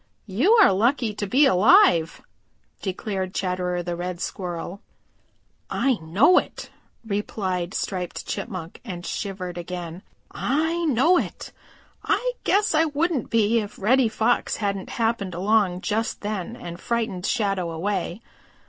"You are lucky to be alive," declared Chatterer the Red Squirrel. "I know it," replied Striped Chipmunk and shivered again. "I know it. I guess I wouldn't be if Reddy Fox hadn't happened along just then and frightened Shadow away.